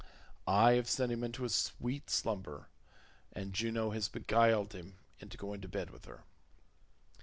I have sent him into a sweet slumber, and Juno has beguiled him into going to bed with her."